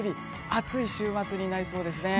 暑い週末になりそうですね。